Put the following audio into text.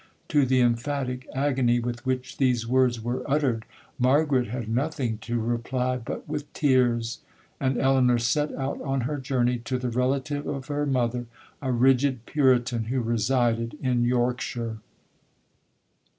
To the emphatic agony with which these words were uttered, Margaret had nothing to reply but with tears; and Elinor set out on her journey to the relative of her mother, a rigid Puritan, who resided in Yorkshire.